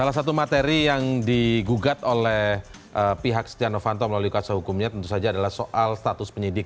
salah satu materi yang digugat oleh pihak setia novanto melalui kuasa hukumnya tentu saja adalah soal status penyidik